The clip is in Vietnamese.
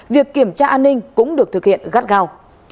việc kiểm tra an ninh cũng được thực hiện gắt gao